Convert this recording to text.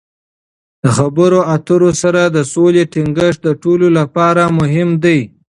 د خبرو اترو سره د سولې ټینګښت د ټولو لپاره مهم دی.